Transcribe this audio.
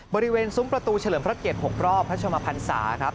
บริเวณซุ้มประตูเฉลิมพระเกียรติ๖รอบพระชมพันศาครับ